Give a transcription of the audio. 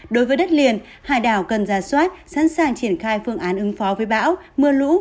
đối với đất liền hải đảo cần ra soát sẵn sàng triển khai phương án ứng phó với bão mưa lũ